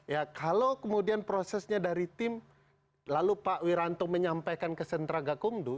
ya kalau kemudian prosesnya dari tim lalu pak wiranto menyampaikan ke sentra gakumdu